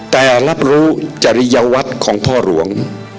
แต่รับรู้จริยวัตรของพ่อหลวง